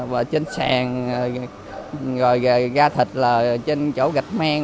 và trên sàn gà thịt là trên chỗ gạch men